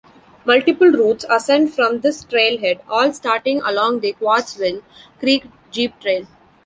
Multiple routes ascend from this trailhead, all starting along the Quartzville Creek Jeep Trail.